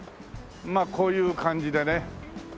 まあこういう感じでね。